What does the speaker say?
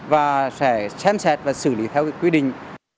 và sẽ xem xét và xử lý theo quy định